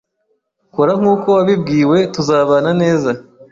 Kora nkuko wabibwiwe tuzabana neza.